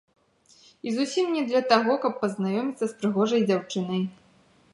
І зусім не для таго, каб пазнаёміцца з прыгожай дзяўчынай.